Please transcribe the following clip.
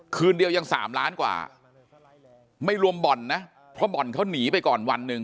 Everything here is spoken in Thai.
คืนเดียวยัง๓ล้านกว่าไม่รวมบ่อนนะเพราะบ่อนเขาหนีไปก่อนวันหนึ่ง